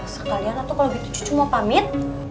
sekalian atau kalau begitu cucu mau pamit